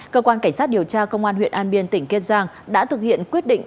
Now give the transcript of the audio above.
cơ quan cảnh sát điều tra công an huyện an biên tỉnh kiên giang đã thực hiện quyết định